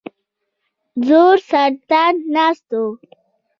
زوړ سلطان ناست وو.